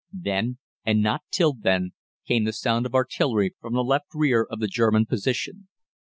"Then, and not till then, came the sound of artillery from the left rear of the German position.